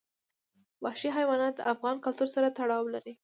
وحشي حیوانات د افغان کلتور سره تړاو لري.